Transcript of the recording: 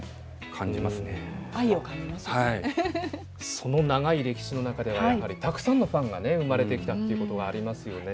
その長い歴史の中ではやはりたくさんのファンがね生まれてきたっていうことがありますよね。